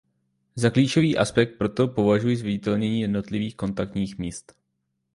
Za klíčový aspekt proto považuji zviditelnění jednotných kontaktních míst.